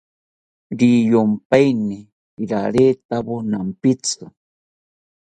Riyompaeni raretawo nampitzi